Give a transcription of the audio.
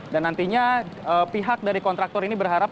dan nantinya pihak dari kontraktor ini berharap